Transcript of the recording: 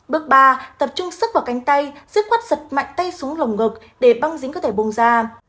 bước ba tập trung sức vào cánh tay sức quất giật mạnh tay xuống lồng ngực để băng dính có thể bùng ra